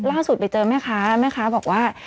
ล่าสุดไปเจอแม่ค้าแม่ค้าบอกว่า